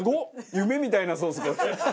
夢みたいなソース。